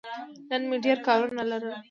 نن مې ډېر کارونه لرل.